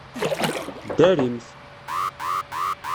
Ddarimt!